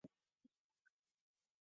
ピアウイ州の州都はテレジーナである